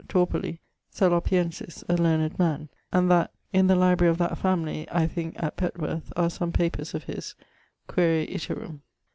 Torporley, Salopiensis, a learned man; and that in the library of that family (I thinke) at Petworth, are some papers of his: quaere iterum.